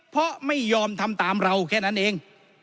เพราะไม่ยอมทำตามเราแค่นั้นเอง